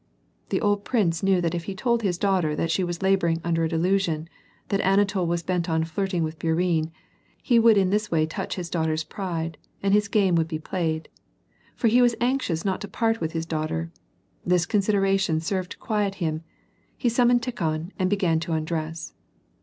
The old prince knew that if he told his daughter that she was laboring under a delusion, that Anatol was bent on flirting with Bourienne, he would in this way touch his daughter's pride, and his game would be played; for he was anxious not to part with his daughter. This consideration served to quiet him. He summoned Tikhon, and began to undress.